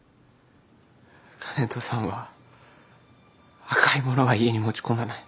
香音人さんは赤いものは家に持ち込まない。